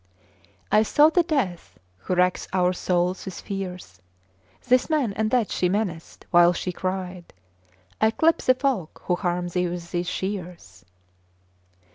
I saw the Death who racks our souls with fears; This man and that she menaced, while she cried: "I clip the folk who harm thee with these shears!"